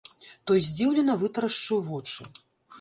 Той здзіўлена вытрашчыў вочы.